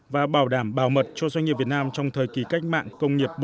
và bảo đảm bảo mật cho doanh nghiệp việt nam trong thời kỳ cách mạng công nghiệp bốn